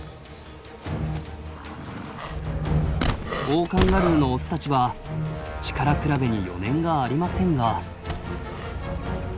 オオカンガルーのオスたちは力比べに余念がありませんが。